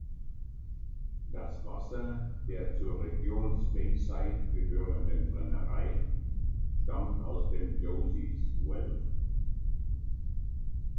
Das Wasser der zur Region Speyside gehörenden Brennerei stammt aus dem Josie’s Well.